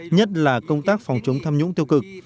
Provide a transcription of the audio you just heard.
nhất là công tác phòng chống tham nhũng tiêu cực